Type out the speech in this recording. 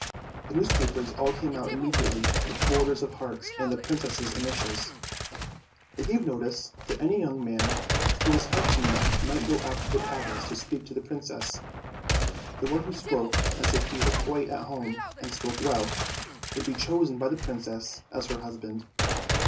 The newspapers all came out immediately with borders of hearts and the Princess's initials. They gave notice that any young man who was handsome enough might go up to the Palace to speak to the Princess. The one who spoke as if he were quite at home, and spoke well, would be chosen by the Princess as her husband.